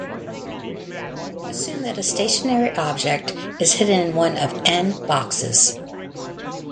Assume that a stationary object is hidden in one of n boxes.